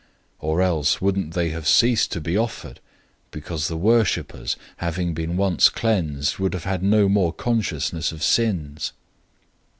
010:002 Or else wouldn't they have ceased to be offered, because the worshippers, having been once cleansed, would have had no more consciousness of sins?